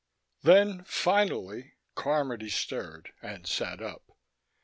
Then finally, Carmody stirred and sat up.